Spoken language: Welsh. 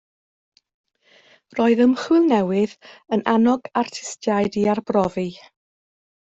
Roedd ymchwil newydd yn annog artistiaid i arbrofi